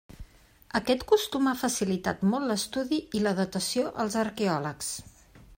Aquest costum ha facilitat molt l'estudi i la datació als arqueòlegs.